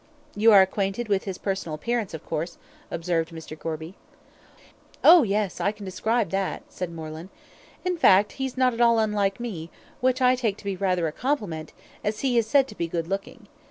"You are acquainted with his personal appearance, of course?" observed Mr. Gorby. "Oh, yes, I can describe that," said Moreland. "In fact, he's not at all unlike me, which I take to be rather a compliment, as he is said to be good looking.